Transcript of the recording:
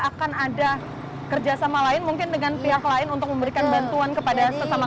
akan ada kerjasama lain mungkin dengan pihak lain untuk memberikan bantuan kepada sesama